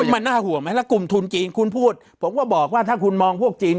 มันน่าห่วงไหมแล้วกลุ่มทุนจีนคุณพูดผมก็บอกว่าถ้าคุณมองพวกจีน